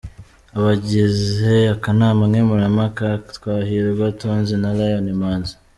Abagize akanama nkemurampaka ‘Twahirwa, Tonzi na Lion Imanzi